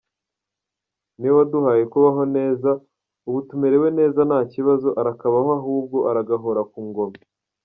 Niwe waduhaye kubaho neza, ubu tumerewe neza nta kibazo arakabaho ahubwo, aragahora ku ngoma.